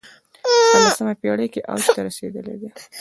په لسمه پېړۍ کې اوج ته رسېدلی دی